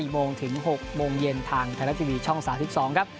โมงถึง๖โมงเย็นทางไทยรัฐทีวีช่อง๓๒ครับ